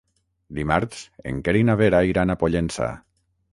Dimarts en Quer i na Vera iran a Pollença.